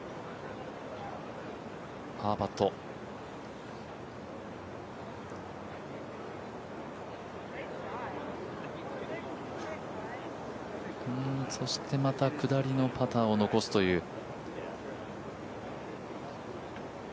パーパット、そしてまた下りのパターを残すという。